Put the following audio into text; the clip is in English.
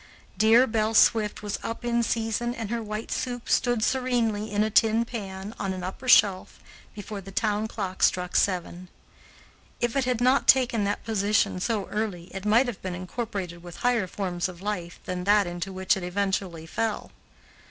Dear Belle Swift was up in season and her white soup stood serenely in a tin pan, on an upper shelf, before the town clock struck seven. If it had not taken that position so early, it might have been incorporated with higher forms of life than that into which it eventually fell.